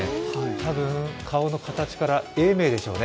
多分、顔の形から永明でしょうね。